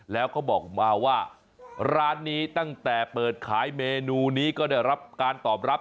แล้วก็บอกมาว่าร้านนี้ตั้งแต่เปิดขายเมนูนี้ก็ได้รับการตอบรับ